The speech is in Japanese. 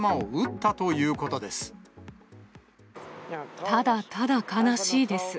ただただ悲しいです。